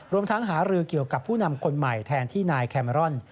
รวมทั้งหารือเกี่ยวกับผู้นำคนใหม่แทนที่นายแคเมรอน